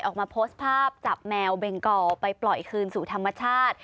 ออกมาโพสต์ภาพจับแมวเบงกอลไปปล่อยคืนสู่ธรรมชาติ